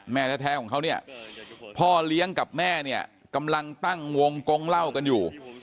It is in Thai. แม่แท้ของเขาเนี่ยพ่อเลี้ยงกับแม่เนี่ยกำลังตั้งวงกงเล่ากันอยู่